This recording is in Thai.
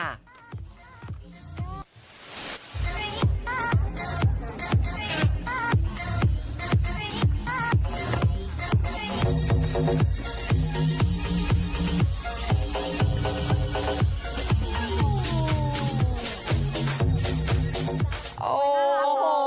โอ้ยน่ารัก